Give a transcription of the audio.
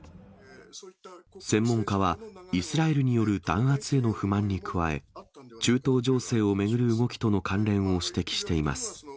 専門家は、イスラエルによる弾圧への不満に加え、中東情勢を巡る動きとの関連を指摘しています。